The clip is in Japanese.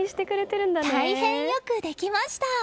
大変よくできました！